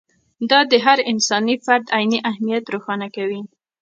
دا د هر انساني فرد عیني اهمیت روښانه کوي.